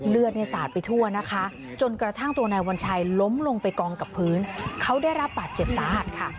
เลือดเนี่ยสาดไปทั่วนะคะจนกระทั่งตัวนายวัญชัยล้มลงไปกองกับพื้นเขาได้รับบาดเจ็บสาหัสค่ะ